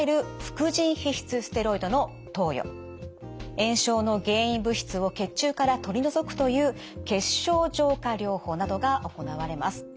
炎症の原因物質を血中から取り除くという血しょう浄化療法などが行われます。